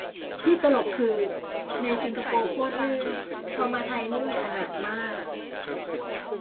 ที่ตลกคือ ในสิงคโปร์โคตรลื่น พอมาไทยนี่อนาถมาก